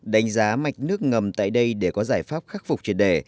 đánh giá mạch nước ngầm tại đây để có giải pháp khắc phục triệt đề